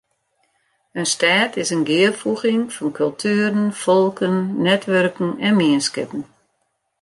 In stêd is in gearfoeging fan kultueren, folken, netwurken en mienskippen.